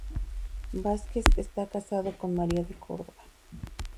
Vásquez está casado con María de Córdova.